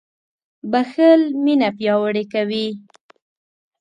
• بښل مینه پیاوړې کوي.